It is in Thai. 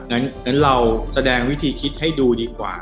งั้นเราแสดงวิธีคิดให้ดูดีกว่า